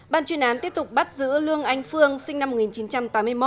ban chuyên án tiếp tục bắt giữ lương anh phương sinh năm một nghìn chín trăm tám mươi một